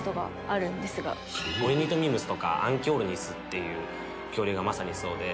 オルニトミムスとかアンキオルニスっていう恐竜がまさにそうで。